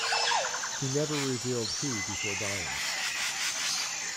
He never revealed who before dying.